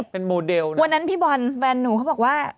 เป็นโมเดลนะวันนั้นพี่บอลแฟนหนูเขาบอกว่า